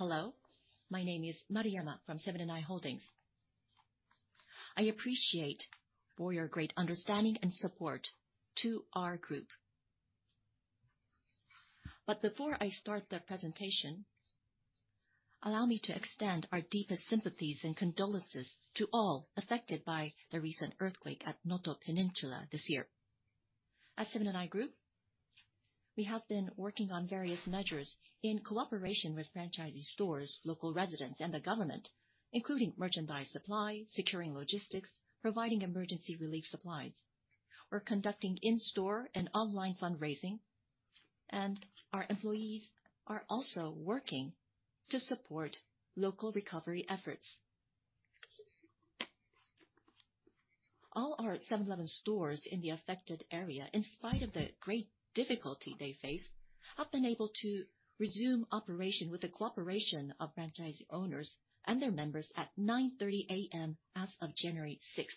Hello, my name is Maruyama from Seven & i Holdings. I appreciate for your great understanding and support to our group. But before I start the presentation, allow me to extend our deepest sympathies and condolences to all affected by the recent earthquake at Noto Peninsula this year. At Seven & i Group, we have been working on various measures in cooperation with franchisee stores, local residents, and the government, including merchandise supply, securing logistics, providing emergency relief supplies. We're conducting in-store and online fundraising, and our employees are also working to support local recovery efforts. All our 7-Eleven stores in the affected area, in spite of the great difficulty they face, have been able to resume operation with the cooperation of franchisee owners and their members at 9:30 A.M. as of January sixth.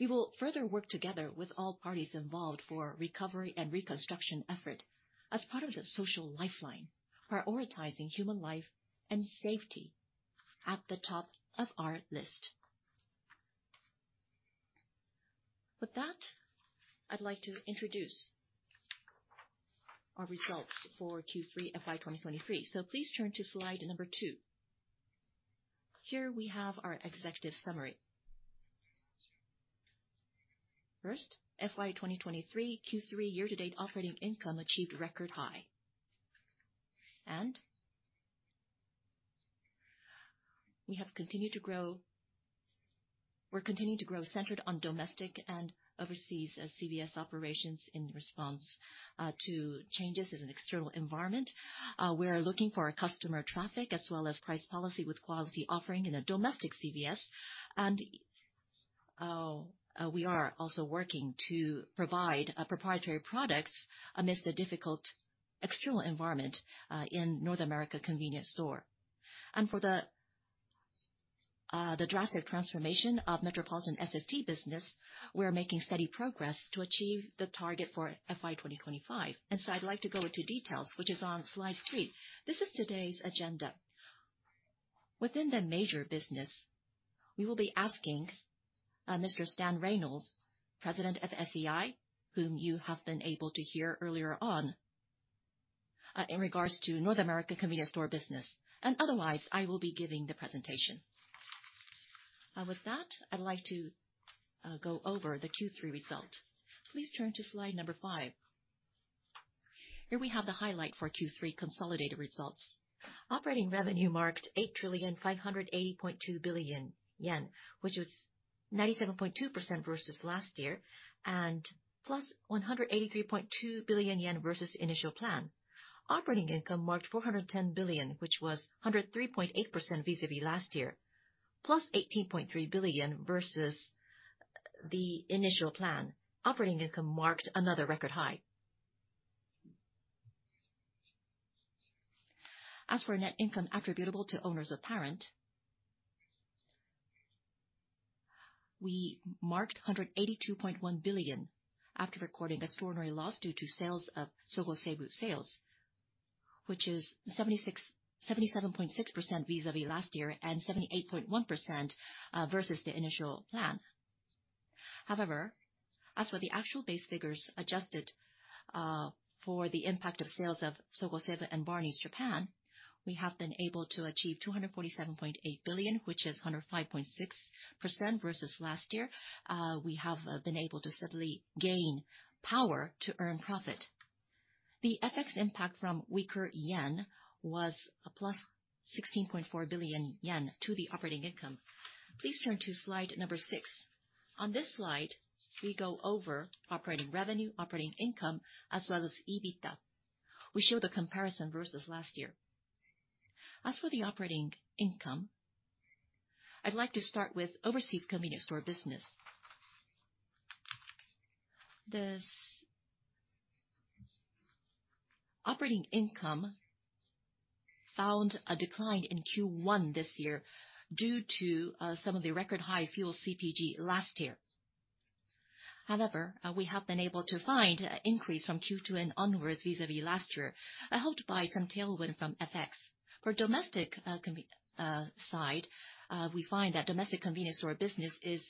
We will further work together with all parties involved for recovery and reconstruction effort as part of the social lifeline, prioritizing human life and safety at the top of our list. With that, I'd like to introduce our results for Q3 FY 2023. So please turn to slide number 2. Here we have our executive summary. First, FY 2023, Q3 year-to-date operating income achieved record high. We're continuing to grow centered on domestic and overseas CVS operations in response to changes in an external environment. We are looking for a customer traffic as well as price policy with quality offering in a domestic CVS. And we are also working to provide proprietary products amidst the difficult external environment in North America convenience store. For the drastic transformation of metropolitan SST business, we are making steady progress to achieve the target for FY 2025. So I'd like to go into details, which is on slide 3. This is today's agenda. Within the major business, we will be asking Mr. Stan Reynolds, President of SEI, whom you have been able to hear earlier on, in regards to North America convenience store business, and otherwise, I will be giving the presentation. With that, I'd like to go over the Q3 result. Please turn to slide number 5. Here we have the highlight for Q3 consolidated results. Operating revenue marked 8,580.2 billion yen, which was 97.2% versus last year, and +183.2 billion yen versus initial plan. Operating income marked 410 billion, which was 103.8% vis-à-vis last year, +18.3 billion versus the initial plan. Operating income marked another record high. As for net income attributable to owners of parent, we marked 182.1 billion after recording extraordinary loss due to sale of Sogo & Seibu, which is 77.6% vis-à-vis last year and 78.1% versus the initial plan. However, as for the actual base figures adjusted for the impact of sale of Sogo & Seibu and Barneys Japan, we have been able to achieve 247.8 billion, which is 105.6% versus last year. We have been able to steadily gain power to earn profit. The FX impact from weaker yen was +16.4 billion yen to the operating income. Please turn to slide number 6. On this slide, we go over operating revenue, operating income, as well as EBITDA. We show the comparison versus last year. As for the operating income, I'd like to start with overseas convenience store business. This operating income found a decline in Q1 this year due to some of the record high fuel CPG last year. However, we have been able to find an increase from Q2 and onwards vis-a-vis last year, helped by some tailwind from FX. For domestic convenience side, we find that domestic convenience store business is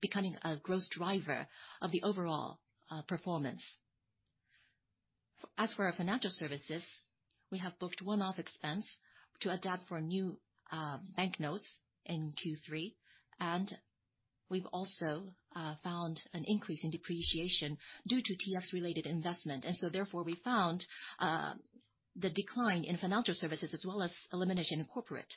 becoming a growth driver of the overall performance. As for our financial services, we have booked one-off expense to adapt for new banknotes in Q3, and we've also found an increase in depreciation due to DX related investment. So therefore, we found the decline in financial services as well as elimination in corporate.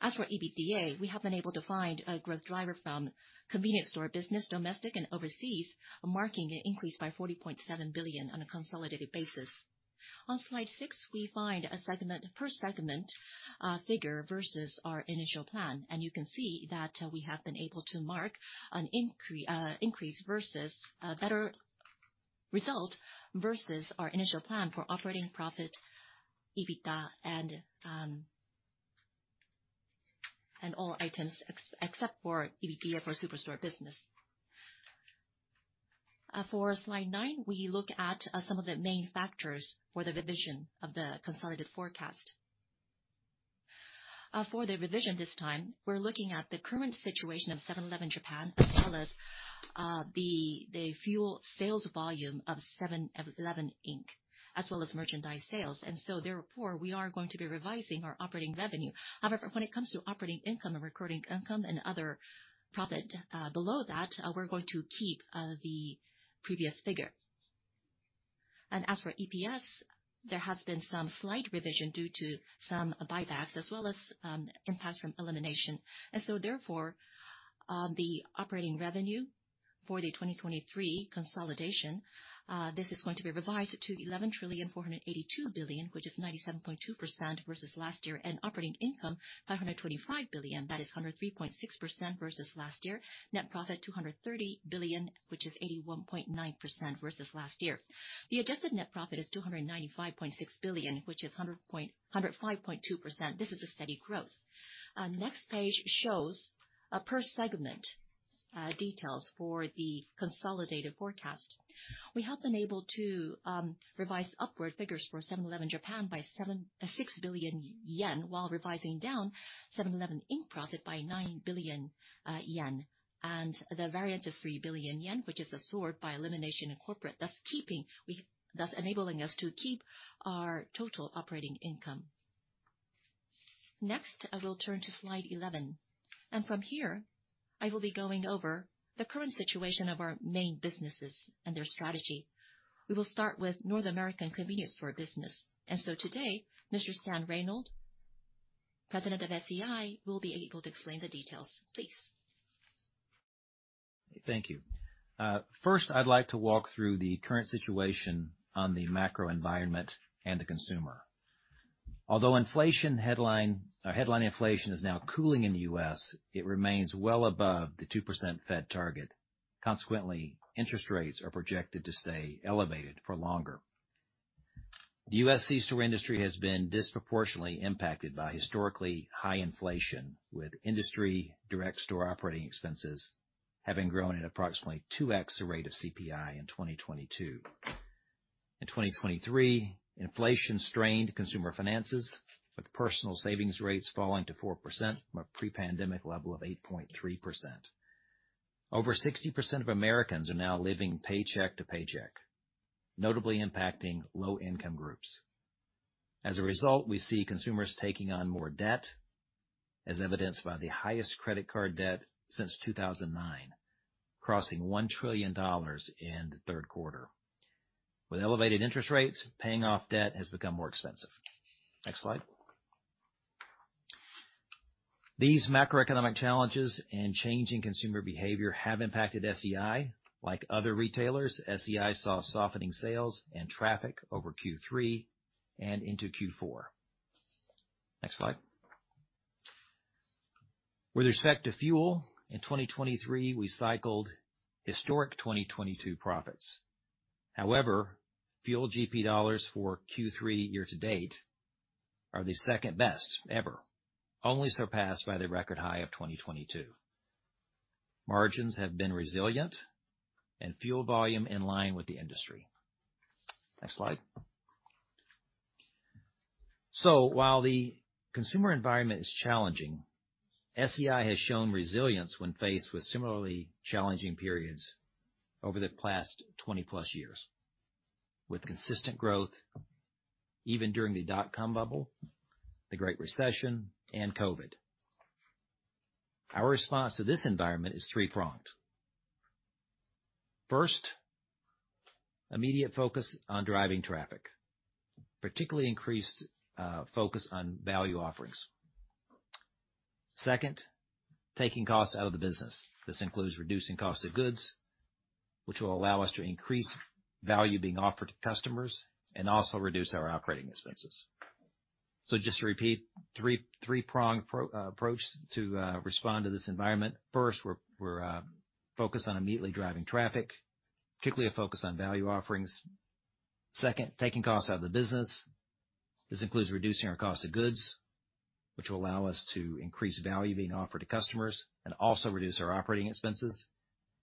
As for EBITDA, we have been able to find a growth driver from convenience store business, domestic and overseas, marking an increase by 40.7 billion on a consolidated basis. On slide six, we find a segment, per segment, figure versus our initial plan. And you can see that, we have been able to mark an increase versus a better result versus our initial plan for operating profit, EBITDA, and all items except for EBITDA for superstore business. For slide nine, we look at some of the main factors for the revision of the consolidated forecast. For the revision this time, we're looking at the current situation of 7-Eleven Japan, as well as the fuel sales volume of 7-Eleven Inc., as well as merchandise sales. And so therefore, we are going to be revising our operating revenue. However, when it comes to operating income and recording income and other profit below that, we're going to keep the previous figure. And as for EPS, there has been some slight revision due to some buybacks as well as impacts from elimination. And so therefore, the operating revenue for the 2023 consolidation, this is going to be revised to 11,482 billion, which is 97.2% versus last year, and operating income, 525 billion, that is 103.6% versus last year. Net profit, 230 billion, which is 81.9% versus last year. The adjusted net profit is 295.6 billion, which is 105.2%. This is a steady growth. Next page shows a per segment details for the consolidated forecast. We have been able to revise upward figures for 7-Eleven Japan by 6 billion yen, while revising down 7-Eleven, Inc. profit by 9 billion yen. The variance is 3 billion yen, which is absorbed by elimination in corporate, thus keeping, thus enabling us to keep our total operating income. Next, I will turn to slide 11, and from here, I will be going over the current situation of our main businesses and their strategy. We will start with North American Convenience Store business. And so today, Mr. Stan Reynolds, President of SEI, will be able to explain the details. Please. Thank you. First, I'd like to walk through the current situation on the macro environment and the consumer. Although inflation headline or headline inflation is now cooling in the U.S., it remains well above the 2% Fed target. Consequently, interest rates are projected to stay elevated for longer. The U.S. C-store industry has been disproportionately impacted by historically high inflation, with industry direct store operating expenses having grown at approximately 2x the rate of CPI in 2022. In 2023, inflation strained consumer finances, with personal savings rates falling to 4% from a pre-pandemic level of 8.3%. Over 60% of Americans are now living paycheck to paycheck, notably impacting low-income groups. As a result, we see consumers taking on more debt, as evidenced by the highest credit card debt since 2009, crossing $1 trillion in the third quarter. With elevated interest rates, paying off debt has become more expensive. Next slide. These macroeconomic challenges and changing consumer behavior have impacted SEI. Like other retailers, SEI saw softening sales and traffic over Q3 and into Q4. Next slide. With respect to fuel, in 2023, we cycled historic 2022 profits. However, fuel GP dollars for Q3 year to date are the second best ever, only surpassed by the record high of 2022. Margins have been resilient and fuel volume in line with the industry. Next slide. So while the consumer environment is challenging, SEI has shown resilience when faced with similarly challenging periods over the past 20-plus years, with consistent growth even during the dot-com bubble, the Great Recession, and COVID. Our response to this environment is three-pronged. First, immediate focus on driving traffic, particularly increased focus on value offerings. Second, taking costs out of the business. This includes reducing cost of goods, which will allow us to increase value being offered to customers and also reduce our operating expenses. So just to repeat, three-prong approach to respond to this environment. First, we're focused on immediately driving traffic, particularly a focus on value offerings. Second, taking costs out of the business. This includes reducing our cost of goods, which will allow us to increase value being offered to customers and also reduce our operating expenses.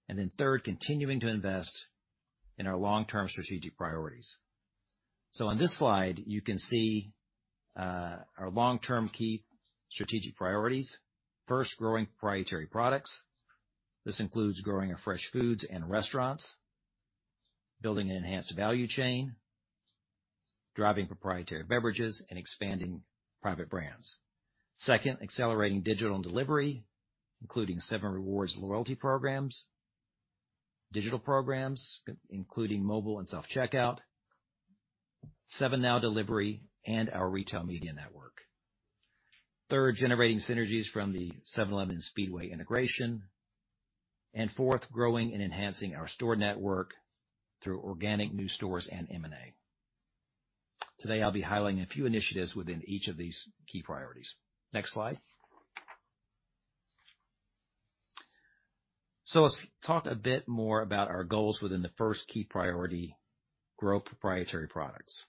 Then third, continuing to invest in our long-term strategic priorities. So on this slide, you can see, our long-term key strategic priorities. First, growing proprietary products. This includes growing our fresh foods and restaurants, building an enhanced value chain, driving proprietary beverages, and expanding private brands. Second, accelerating digital and delivery, including 7Rewards loyalty programs, digital programs, including mobile and self-checkout, 7NOW delivery, and our retail media network. Third, generating synergies from the 7-Eleven Speedway integration. And fourth, growing and enhancing our store network through organic new stores and M&A. Today, I'll be highlighting a few initiatives within each of these key priorities. Next slide. So let's talk a bit more about our goals within the first key priority, grow proprietary products.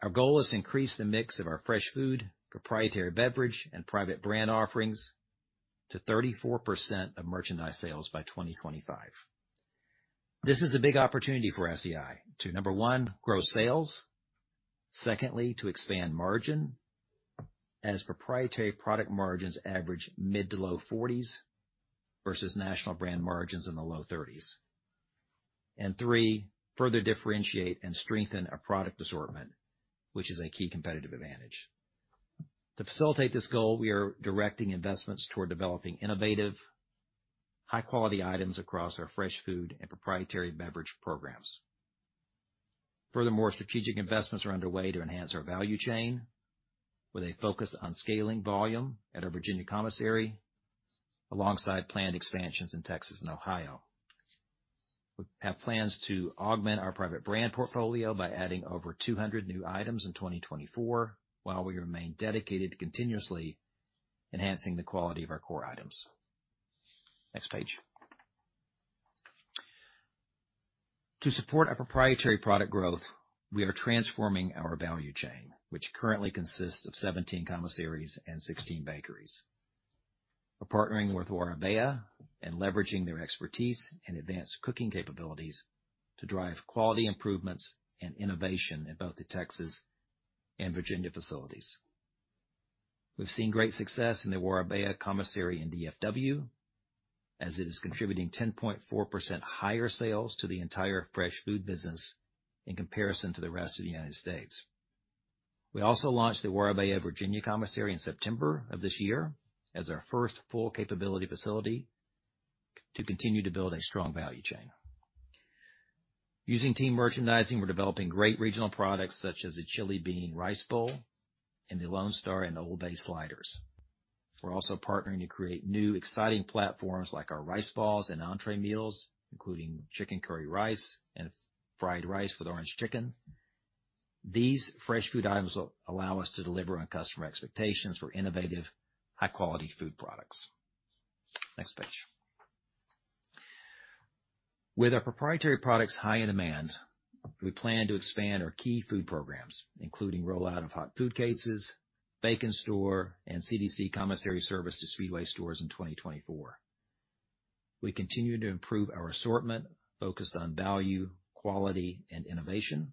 Our goal is to increase the mix of our fresh food, proprietary beverage, and private brand offerings to 34% of merchandise sales by 2025. This is a big opportunity for SEI to, number 1, grow sales. Secondly, to expand margin, as proprietary product margins average mid- to low-40s versus national brand margins in the low-30s. And 3, further differentiate and strengthen our product assortment, which is a key competitive advantage. To facilitate this goal, we are directing investments toward developing innovative, high-quality items across our fresh food and proprietary beverage programs. Furthermore, strategic investments are underway to enhance our value chain, with a focus on scaling volume at our Virginia commissary, alongside planned expansions in Texas and Ohio. We have plans to augment our private brand portfolio by adding over 200 new items in 2024, while we remain dedicated to continuously enhancing the quality of our core items. Next page. To support our proprietary product growth, we are transforming our value chain, which currently consists of 17 commissaries and 16 bakeries. We're partnering with Warabeya and leveraging their expertise and advanced cooking capabilities to drive quality improvements and innovation in both the Texas and Virginia facilities. We've seen great success in the Warabeya commissary in DFW, as it is contributing 10.4 higher sales to the entire fresh food business in comparison to the rest of the United States. We also launched the Warabeya Virginia Commissary in September of this year, as our first full capability facility to continue to build a strong value chain. Using Team Merchandising, we're developing great regional products such as the chili bean rice bowl and the Lone Star and the Old Bay sliders. We're also partnering to create new, exciting platforms like our rice balls and entree meals, including chicken curry rice and fried rice with orange chicken. These fresh food items will allow us to deliver on customer expectations for innovative, high-quality food products. Next page. With our proprietary products high in demand, we plan to expand our key food programs, including rollout of hot food cases, bake-in-store, and CDC commissary service to Speedway stores in 2024. We continue to improve our assortment, focused on value, quality, and innovation.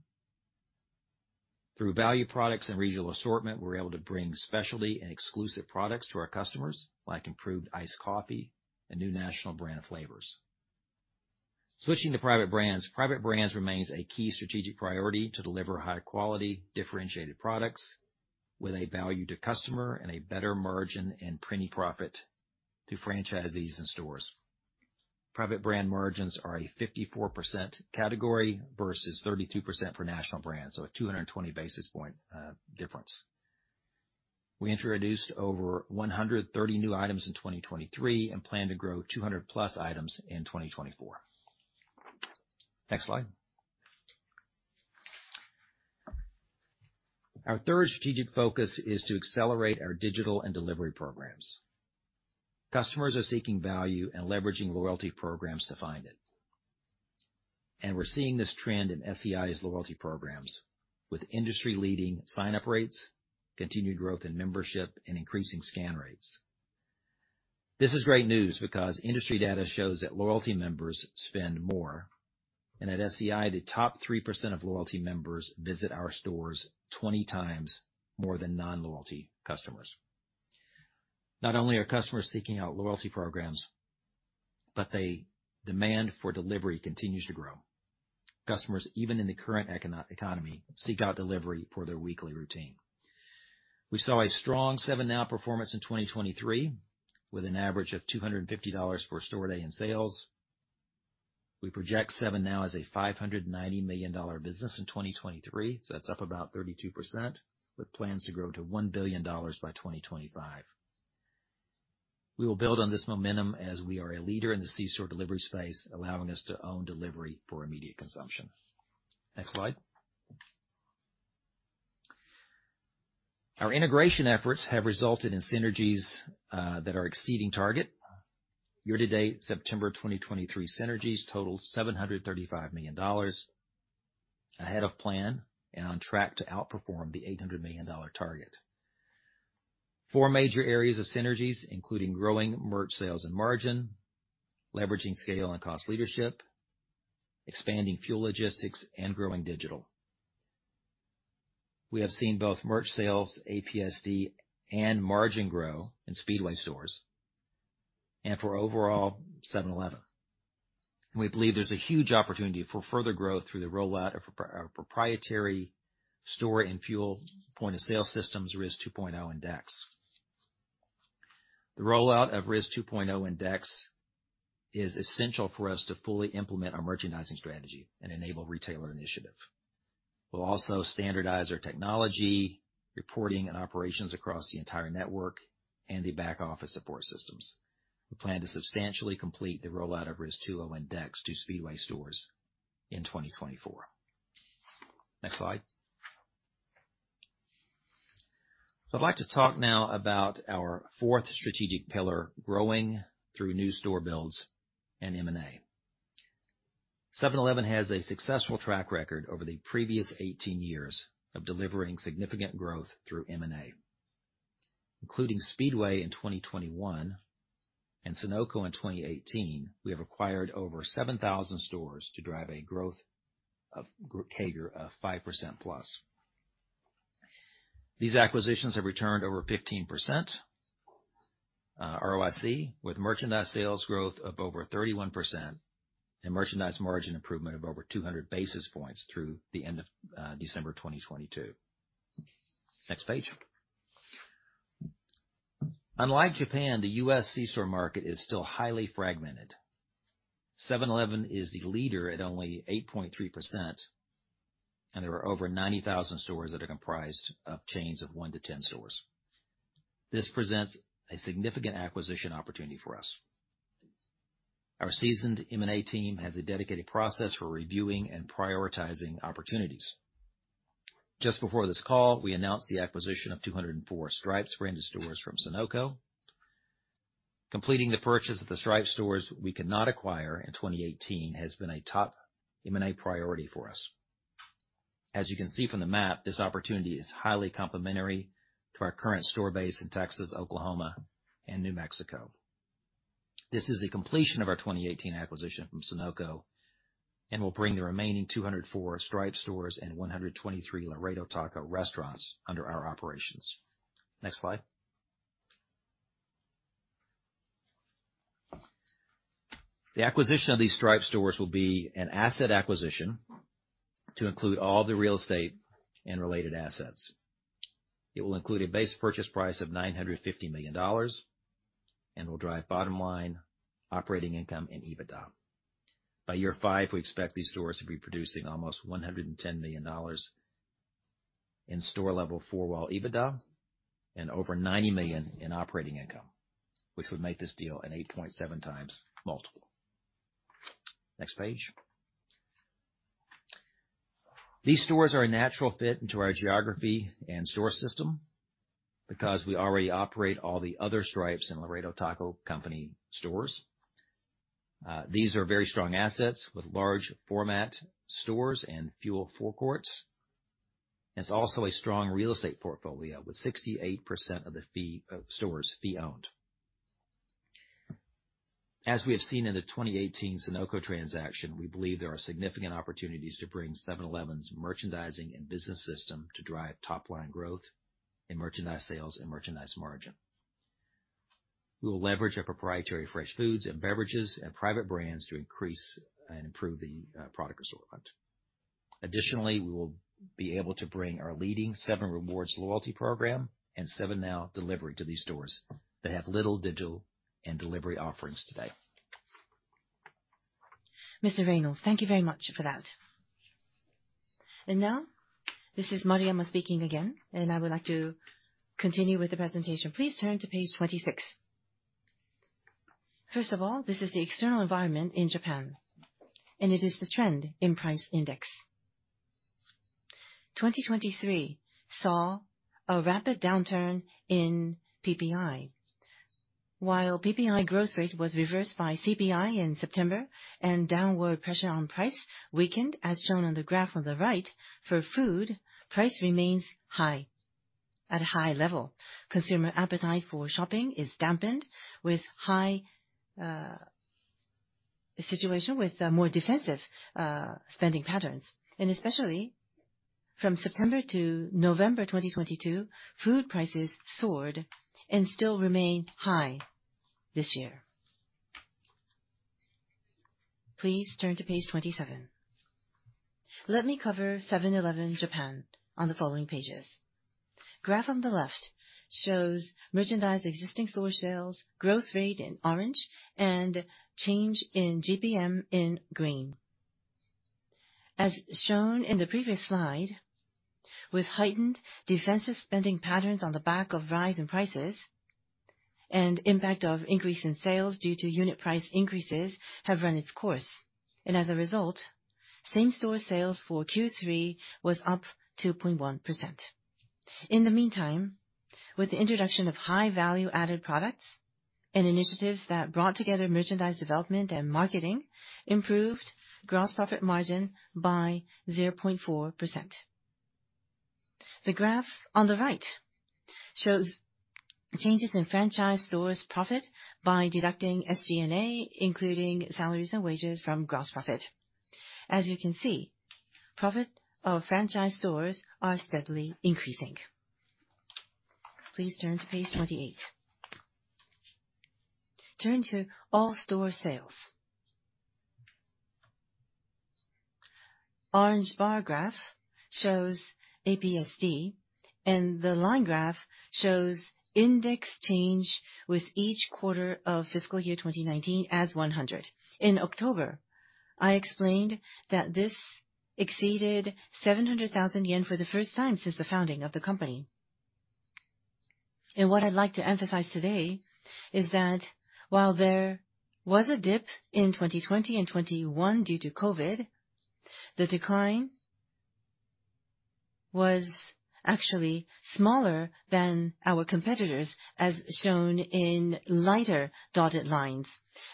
Through value products and regional assortment, we're able to bring specialty and exclusive products to our customers, like improved iced coffee and new national brand flavors. Switching to private brands. Private brands remains a key strategic priority to deliver high-quality, differentiated products with a value to customer and a better margin and penny profit to franchisees and stores. Private brand margins are a 54% category versus 32% for national brands, so a 220 basis point difference. We introduced over 130 new items in 2023 and plan to grow 200+ items in 2024. Next slide. Our third strategic focus is to accelerate our digital and delivery programs. Customers are seeking value and leveraging loyalty programs to find it. And we're seeing this trend in SEI's loyalty programs, with industry-leading sign-up rates, continued growth in membership, and increasing scan rates. This is great news because industry data shows that loyalty members spend more, and at SEI, the top 3% of loyalty members visit our stores 20 times more than non-loyalty customers. Not only are customers seeking out loyalty programs, but the demand for delivery continues to grow. Customers, even in the current economy, seek out delivery for their weekly routine. We saw a strong 7NOW performance in 2023, with an average of $250 per store day in sales. We project 7NOW as a $590 million business in 2023, so that's up about 32%, with plans to grow to $1 billion by 2025. We will build on this momentum as we are a leader in the C-store delivery space, allowing us to own delivery for immediate consumption. Next slide. Our integration efforts have resulted in synergies that are exceeding target. Year to date, September 2023 synergies totaled $735 million ahead of plan and on track to outperform the $800 million target. Four major areas of synergies, including growing merch sales and margin, leveraging scale and cost leadership, expanding fuel logistics, and growing digital. We have seen both merch sales, APSD, and margin grow in Speedway stores, and for overall 7-Eleven. We believe there's a huge opportunity for further growth through the rollout of our proprietary store and fuel point of sale systems, RIS 2.0 and DX. The rollout of RIS 2.0 and DX is essential for us to fully implement our merchandising strategy and enable retailer initiative. We'll also standardize our technology, reporting and operations across the entire network and the back office support systems. We plan to substantially complete the rollout of RIS 2.0 and DX to Speedway stores in 2024. Next slide. I'd like to talk now about our fourth strategic pillar, growing through new store builds and M&A. 7-Eleven has a successful track record over the previous 18 years of delivering significant growth through M&A, including Speedway in 2021 and Sunoco in 2018. We have acquired over 7,000 stores to drive a growth of CAGR of 5%+. These acquisitions have returned over 15% ROIC, with merchandise sales growth of over 31% and merchandise margin improvement of over 200 basis points through the end of December 2022. Next page. Unlike Japan, the US C-store market is still highly fragmented. 7-Eleven is the leader at only 8.3%, and there are over 90,000 stores that are comprised of chains of 1-10 stores. This presents a significant acquisition opportunity for us. Our seasoned M&A team has a dedicated process for reviewing and prioritizing opportunities. Just before this call, we announced the acquisition of 204 Stripes branded stores from Sunoco. Completing the purchase of the Stripes stores we could not acquire in 2018 has been a top M&A priority for us. As you can see from the map, this opportunity is highly complementary to our current store base in Texas, Oklahoma, and New Mexico. This is the completion of our 2018 acquisition from Sunoco and will bring the remaining 204 Stripes stores and 123 Laredo Taco restaurants under our operations. Next slide. The acquisition of these Stripes stores will be an asset acquisition to include all the real estate and related assets. It will include a base purchase price of $950 million and will drive bottom line operating income and EBITDA. By year five, we expect these stores to be producing almost $110 million in store level four-wall EBITDA and over $90 million in operating income, which would make this deal an 8.7x multiple. Next page. These stores are a natural fit into our geography and store system because we already operate all the other Stripes and Laredo Taco Company stores. These are very strong assets with large format stores and fuel forecourts. It's also a strong real estate portfolio, with 68% of the fee-owned stores. As we have seen in the 2018 Sunoco transaction, we believe there are significant opportunities to bring 7-Eleven's merchandising and business system to drive top line growth and merchandise sales and merchandise margin. We will leverage our proprietary fresh foods and beverages and private brands to increase and improve the product assortment. Additionally, we will be able to bring our leading 7Rewards loyalty program and 7NOW delivery to these stores that have little digital and delivery offerings today. Mr. Reynolds, thank you very much for that. Now, this is Maruyama speaking again, and I would like to continue with the presentation. Please turn to page 26. First of all, this is the external environment in Japan, and it is the trend in price index. 2023 saw a rapid downturn in PPI, while PPI growth rate was reversed by CPI in September and downward pressure on price weakened, as shown on the graph on the right. For food, price remains high, at a high level. Consumer appetite for shopping is dampened with high situation, with more defensive spending patterns, and especially from September to November 2022, food prices soared and still remain high this year. Please turn to page 27. Let me cover 7-Eleven Japan on the following pages. Graph on the left shows merchandise existing store sales growth rate in orange and change in GPM in green. As shown in the previous slide, with heightened defensive spending patterns on the back of rise in prices and impact of increase in sales due to unit price increases have run its course, and as a result, same-store sales for Q3 was up 2.1%. In the meantime, with the introduction of high value-added products and initiatives that brought together merchandise development and marketing, improved gross profit margin by 0.4%. The graph on the right shows changes in franchise stores' profit by deducting SG&A, including salaries and wages, from gross profit. As you can see, profit of franchise stores are steadily increasing. Please turn to page 28. Turn to all store sales. Orange bar graph shows APSD, and the line graph shows index change with each quarter of fiscal year 2019 as 100. In October, I explained that this exceeded 700,000 yen for the first time since the founding of the company. What I'd like to emphasize today is that while there was a dip in 2020 and 2021 due to COVID, the decline was actually smaller than our competitors, as shown in lighter dotted lines.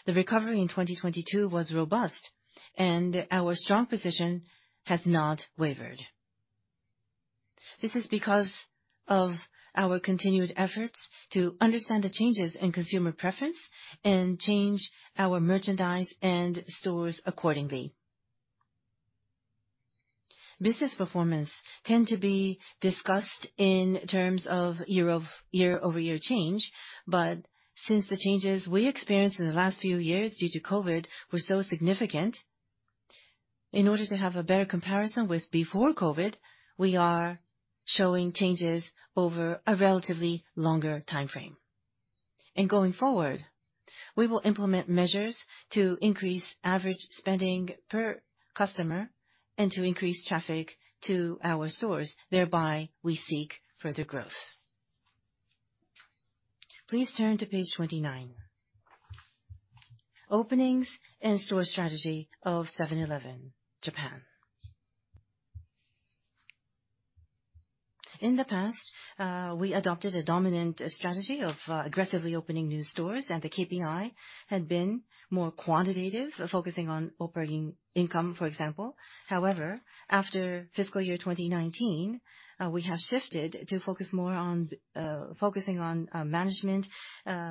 The recovery in 2022 was robust, and our strong position has not wavered. This is because of our continued efforts to understand the changes in consumer preference and change our merchandise and stores accordingly. Business performance tend to be discussed in terms of year-over-year change, but since the changes we experienced in the last few years due to COVID were so significant, in order to have a better comparison with before COVID, we are showing changes over a relatively longer time frame. Going forward, we will implement measures to increase average spending per customer and to increase traffic to our stores, thereby we seek further growth. Please turn to page 29. Openings and store strategy of 7-Eleven Japan. In the past, we adopted a dominant strategy of aggressively opening new stores, and the KPI had been more quantitative, focusing on operating income, for example. However, after fiscal year 2019, we have shifted to focus more on focusing on management,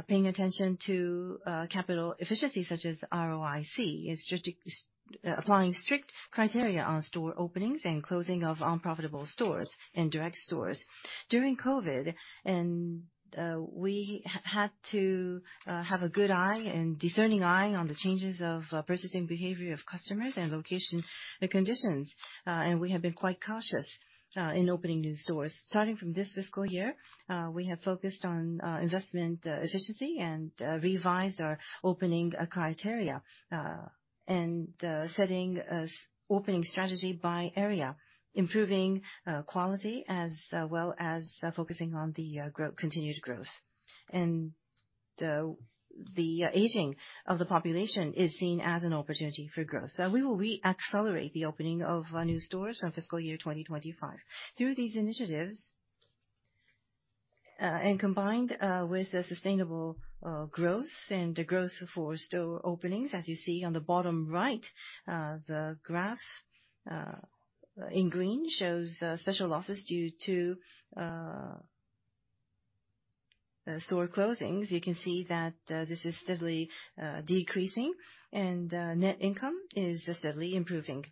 paying attention to capital efficiency, such as ROIC, and applying strict criteria on store openings and closing of unprofitable stores and direct stores. During COVID, we had to have a good eye and discerning eye on the changes of purchasing behavior of customers and location conditions, and we have been quite cautious in opening new stores. Starting from this fiscal year, we have focused on investment efficiency and revised our opening criteria, and setting a opening strategy by area, improving quality, as well as focusing on the growth, continued growth. The aging of the population is seen as an opportunity for growth. So we will re-accelerate the opening of new stores on fiscal year 2025. Through these initiatives, and combined with the sustainable growth and the growth for store openings, as you see on the bottom right, the graph in green shows special losses due to store closings. You can see that this is steadily decreasing, and net income is steadily improving.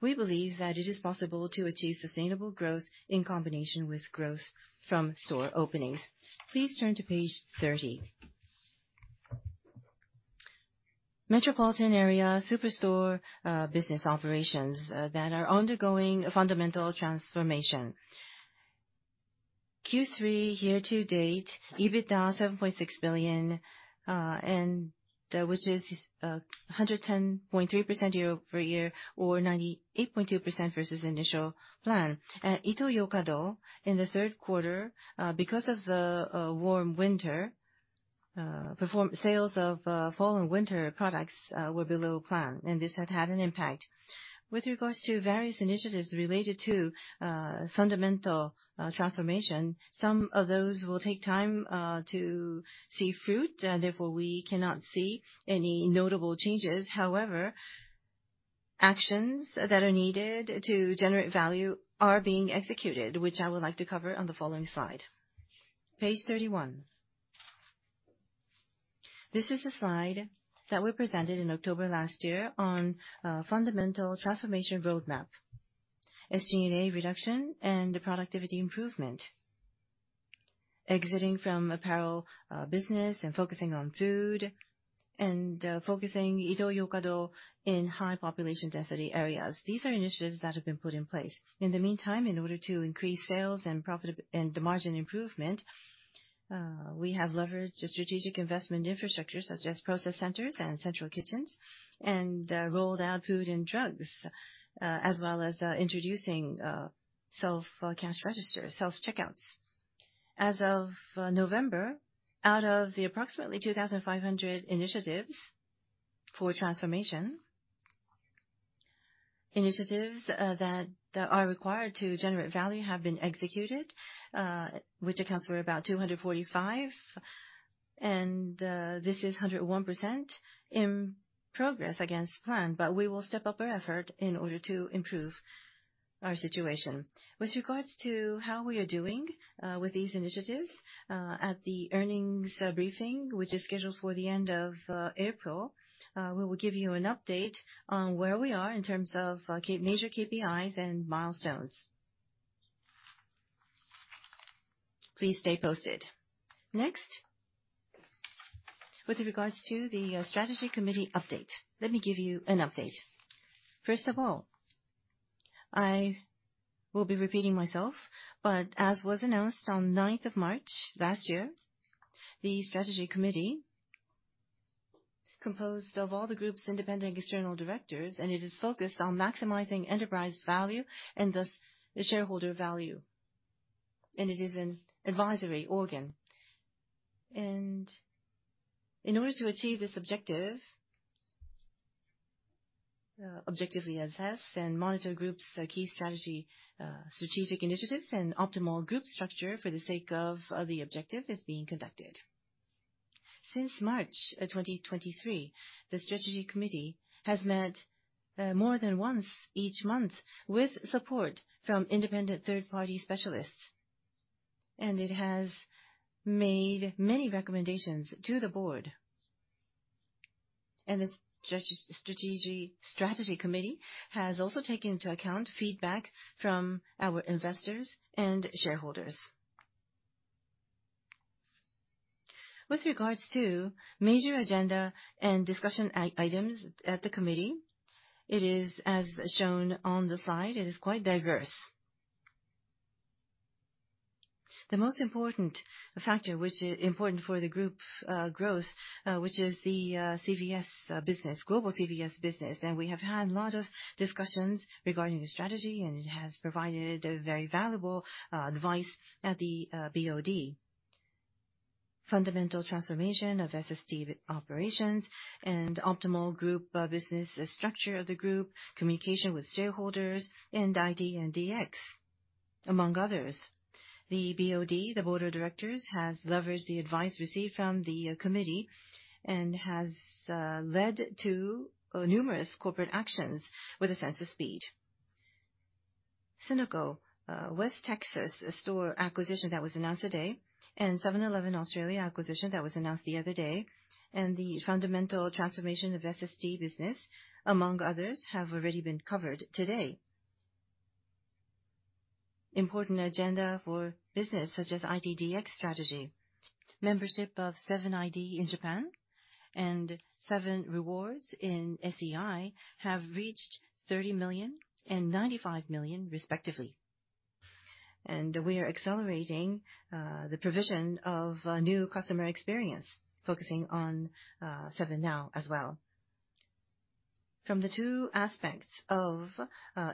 We believe that it is possible to achieve sustainable growth in combination with growth from store openings. Please turn to page 30. Metropolitan area superstore business operations that are undergoing a fundamental transformation. Q3 year to date, EBITDA 7.6 billion, and which is 110.3% year-over-year or 98.2% versus initial plan. At Ito-Yokado, in the third quarter, because of the warm winter, sales of fall and winter products were below plan, and this has had an impact. With regards to various initiatives related to fundamental transformation, some of those will take time to see fruit, therefore, we cannot see any notable changes. However, actions that are needed to generate value are being executed, which I would like to cover on the following slide. Page 31. This is a slide that we presented in October last year on fundamental transformation roadmap, SG&A reduction and productivity improvement, exiting from apparel business and focusing on food, and focusing Ito-Yokado in high population density areas. These are initiatives that have been put in place. In the meantime, in order to increase sales and profitability and margin improvement, we have leveraged the strategic investment infrastructure, such as process centers and central kitchens, and rolled out food and drugs, as well as introducing self cash registers, self-checkouts. As of November, out of the approximately 2,500 initiatives for transformation initiatives that are required to generate value have been executed, which accounts for about 245, and this is 101% in progress against plan, but we will step up our effort in order to improve our situation. With regards to how we are doing with these initiatives, at the earnings briefing, which is scheduled for the end of April, we will give you an update on where we are in terms of key major KPIs and milestones. Please stay posted. Next, with regards to the Strategy Committee update, let me give you an update. First of all, I will be repeating myself, but as was announced on the ninth of March last year, the Strategy Committee, composed of all the group's independent external directors, and it is focused on maximizing enterprise value and, thus, the shareholder value, and it is an advisory organ. In order to achieve this objective, objectively assess and monitor the group's key strategy, strategic initiatives and optimal group structure for the sake of the objective is being conducted. Since March 2023, the Strategy Committee has met more than once each month with support from independent third-party specialists, and it has made many recommendations to the board. The Strategy Committee has also taken into account feedback from our investors and shareholders. With regards to major agenda and discussion items at the committee, it is as shown on the slide, it is quite diverse. The most important factor, which is important for the group growth, which is the CVS business, global CVS business, and we have had a lot of discussions regarding the strategy, and it has provided a very valuable advice at the BOD. Fundamental transformation of SST operations and optimal group business structure of the group, communication with shareholders, and IT and DX, among others. The BOD, the Board of Directors, has leveraged the advice received from the committee and has led to numerous corporate actions with a sense of speed. Sunoco West Texas store acquisition that was announced today, and 7-Eleven Australia acquisition that was announced the other day, and the fundamental transformation of SST business, among others, have already been covered today. Important agenda for business, such as IT, DX strategy, membership of 7-Eleven in Japan and 7Rewards in SEI have reached 30 million and 95 million respectively. And we are accelerating the provision of new customer experience, focusing on 7NOW as well. From the two aspects of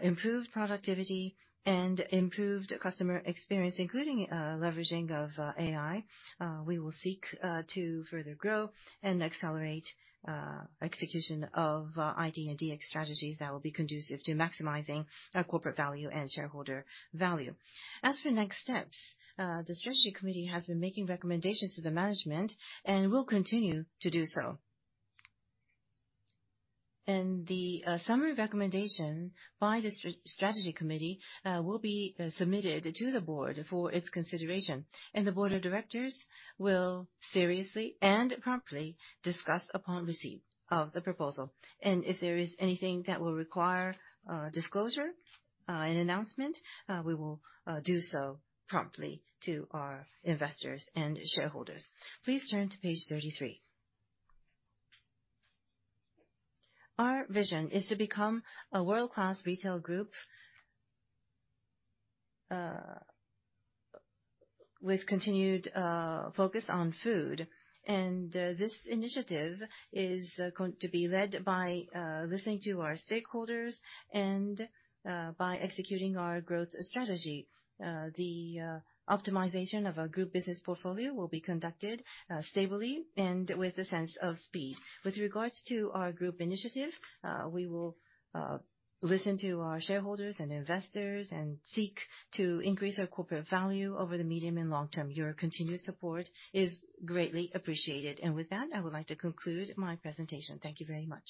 improved productivity and improved customer experience, including leveraging of AI, we will seek to further grow and accelerate execution of IT and DX strategies that will be conducive to maximizing our corporate value and shareholder value. As for next steps, the Strategy Committee has been making recommendations to the management and will continue to do so. And the summary recommendation by the Strategy Committee will be submitted to the board for its consideration, and the board of directors will seriously and promptly discuss upon receipt of the proposal. And if there is anything that will require disclosure and announcement, we will do so promptly to our investors and shareholders. Please turn to page 33. Our vision is to become a world-class retail group with continued focus on food, and this initiative is going to be led by listening to our stakeholders and by executing our growth strategy. The optimization of our group business portfolio will be conducted stably and with a sense of speed. With regards to our group initiative, we will listen to our shareholders and investors and seek to increase our corporate value over the medium and long term. Your continued support is greatly appreciated. And with that, I would like to conclude my presentation. Thank you very much.